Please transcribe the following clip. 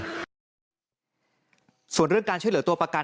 ส่วนเรื่องการช่วยเหลือตัวประกัน